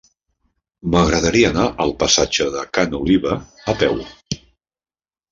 M'agradaria anar al passatge de Ca n'Oliva a peu.